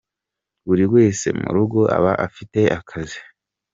Buri wese mu rugo aba afite akazi.